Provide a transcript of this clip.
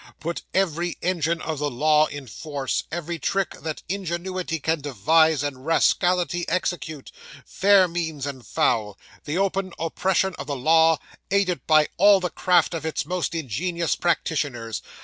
"Put every engine of the law in force, every trick that ingenuity can devise and rascality execute; fair means and foul; the open oppression of the law, aided by all the craft of its most ingenious practitioners.